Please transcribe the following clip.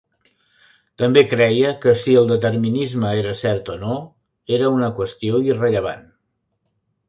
També creia que si el determinisme era cert o no, era una qüestió irrellevant.